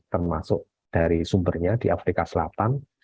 termasuk dari sumbernya di afrika selatan